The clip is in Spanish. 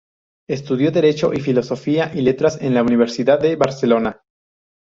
Estudió Derecho y Filosofía y Letras en la Universidad de Barcelona.